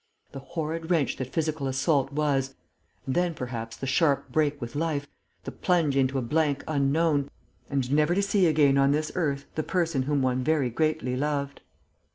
The horrid wrench that physical assault was and then, perhaps, the sharp break with life, the plunge into a blank unknown and never to see again on this earth the person whom one very greatly loved....